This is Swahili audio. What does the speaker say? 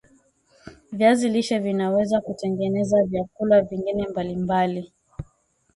Viazi lishe vinaweza kutengeneza vyakula vingine mbali mbali